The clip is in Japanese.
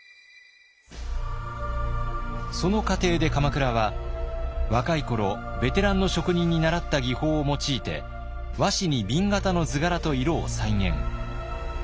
その過程で鎌倉は若い頃ベテランの職人に習った技法を用いて和紙に紅型の図柄と色を再現。